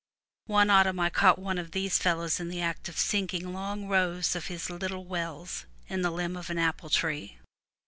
One autumn I caught 262 FROM THE TOWER WINDOW one of these fellows in the act of sinking long rows of his little wells in the limb of an apple tree.